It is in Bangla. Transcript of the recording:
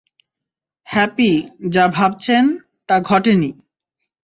হ্যাপি, যা ভাবছেন, তা ঘটেনি।